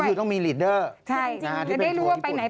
ก็คือต้องมีลีดเดอร์ที่เป็นทัวร์ญี่ปุ่นใช่จะได้รู้ว่าไปไหน